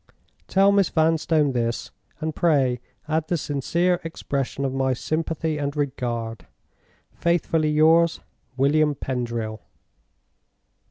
Tell Miss Vanstone this, and pray add the sincere expression of my sympathy and regard. "Faithfully yours, "WILLIAM PENDRIL."